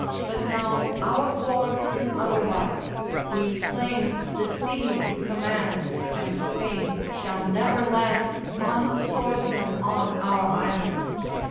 But now our war is otherwise. We claim The sea's command, and Spain shall never land One swordsman on our island.